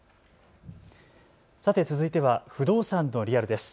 さて続いては不動産のリアルです。